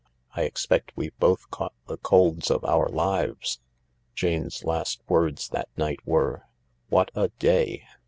I expect we've both caught the colds of our lives I " Jane's last words that night were :" What a day